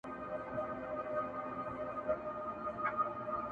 ته خبر یې د تودې خوني له خونده؟!.!